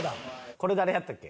これ誰やったっけ？